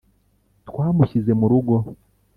twamushyize mu rugo.